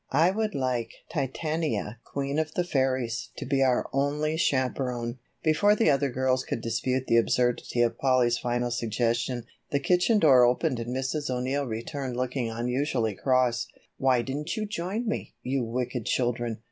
I would like Titania, Queen of the Fairies, to be our only chaperon." Before the other girls could dispute the absurdity of Polly's final suggestion, the kitchen door opened and Mrs. O'Neill returned looking unusually cross. "Why didn't you join me, you wicked children?"